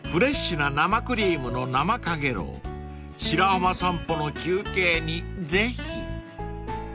［白浜散歩の休憩にぜひ］